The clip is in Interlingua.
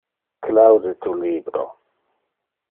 Claude tu libro.